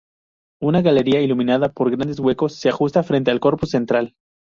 Una galería iluminada por grandes huecos se ajusta frente al corpus central.